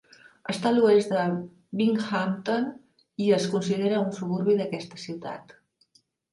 Està a l'oest de Binghamton i es considera un suburbi d'aquesta ciutat.